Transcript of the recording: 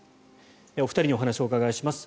お二人にお話をお伺いします。